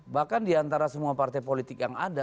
bahkan diantara semua partai politik yang ada